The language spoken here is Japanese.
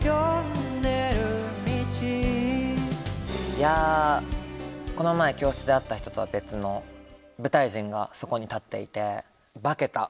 いやこの前教室で会った人とは別の舞台人がそこに立っていて。